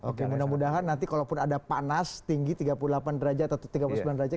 oke mudah mudahan nanti kalaupun ada panas tinggi tiga puluh delapan derajat atau tiga puluh sembilan derajat